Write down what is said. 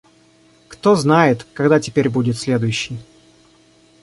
Кто знает, когда теперь будет следующий.